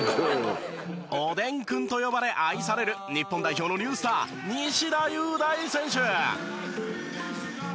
おでんくんと呼ばれ愛される日本代表のニュースター西田優大選手。